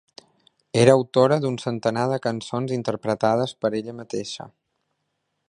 Era autora d'un centenar de cançons, interpretades per ella mateixa.